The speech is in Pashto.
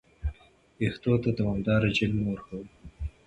ویښتو ته دوامداره جیل مه ورکوه.